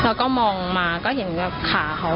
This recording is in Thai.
แล้วก็มองมาก็เห็นกับขาเขา